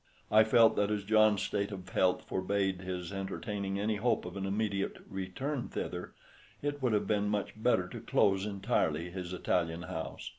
I felt that as John's state of health forbade his entertaining any hope of an immediate return thither, it would have been much better to close entirely his Italian house.